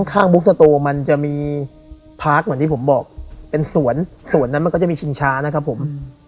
ข้างบุ๊กตะโตมันจะมีพาร์คเหมือนที่ผมบอกเป็นสวนสวนนั้นมันก็จะมีชิงช้านะครับผม